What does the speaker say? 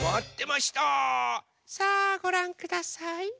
さあごらんください。